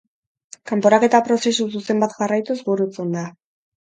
Kanporaketa prozesu zuzen bat jarraituz burutzen da.